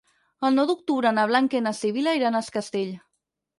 El nou d'octubre na Blanca i na Sibil·la iran a Es Castell.